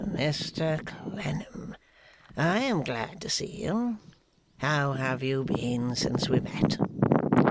'Mr Clennam, I am glad to see you. How have you been since we met?